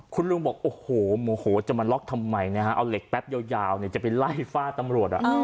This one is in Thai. คุณลุงบอกจะมาล็อกทำไมเอาเหล็กแป๊บยาวจะไปไล่ฟ้าตำรวจ